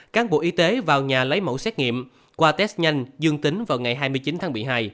cán bộ y tế vào nhà lấy mẫu xét nghiệm qua test nhanh dương tính vào ngày hai mươi chín tháng một mươi hai